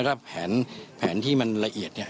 แล้วก็แผนที่มันละเอียด